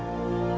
saya tidak tahu